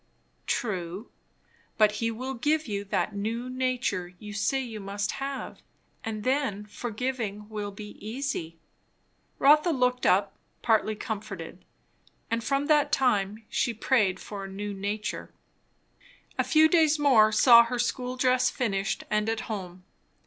'" "True; but he will give you that new nature you say you must have; and then forgiving will be easy." Rotha looked up, partly comforted. And from that time she prayed for a new nature. A few days more saw her school dress finished and at home.